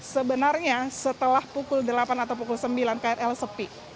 sebenarnya setelah pukul delapan atau pukul sembilan krl sepi